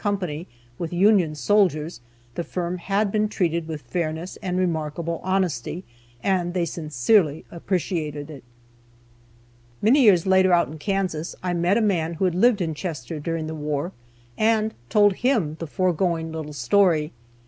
with Union soldiers the firm had been treated with fairness and remarkable honesty, and they sincerely appreciated it. Many years later out in Kansas I met a man who had lived in Chester during the war, and told him the foregoing little story.